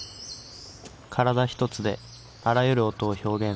体ひとつであらゆる音を表現する。